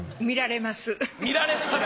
見られます？